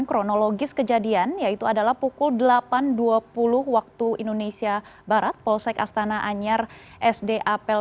kronologis kejadian yaitu adalah pukul delapan dua puluh waktu indonesia barat polsek astana anyar sd apel